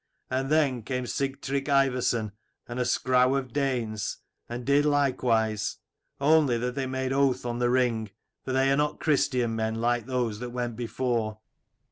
And then came Sigtrygg Ivarson and a scrow of Danes, and did likewise, only that they made oath on the ring, for they are not Christian men like those that went before.